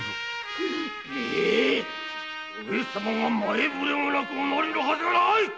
上様が前ぶれもなくお成りのはずがない！